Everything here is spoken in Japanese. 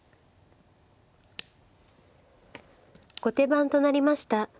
後手番となりました